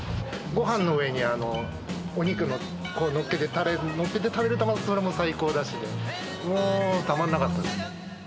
ごはんの上にお肉をこうのっけて、のっけて食べるのもそれも最高だし、もうたまんなかったです。